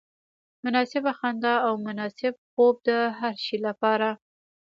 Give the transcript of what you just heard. مناسبه خندا او مناسب خوب د هر شي لپاره.